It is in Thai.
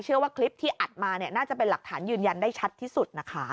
ว่าคลิปที่อัดมาเนี่ยน่าจะเป็นหลักฐานยืนยันได้ชัดที่สุดนะคะ